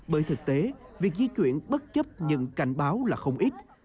bởi thực tế việc di chuyển bất chấp nhưng cảnh báo là không ít